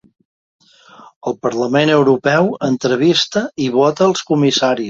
El Parlament Europeu entrevista i vota als comissaris.